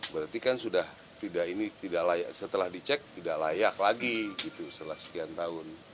berarti kan sudah tidak ini tidak layak setelah dicek tidak layak lagi gitu setelah sekian tahun